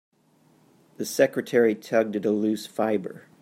The secretary tugged at a loose fibre.